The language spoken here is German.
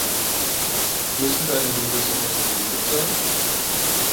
Müssen deine Videos immer so blutig sein?